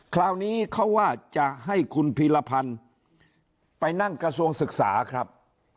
คราวนี้เขาว่าจะให้คุณพีรพันธ์ไปนั่งกระทรวงศึกษาครับ